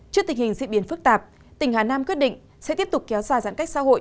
trước tình hình diễn biến phức tạp tỉnh hà nam quyết định sẽ tiếp tục kéo dài giãn cách xã hội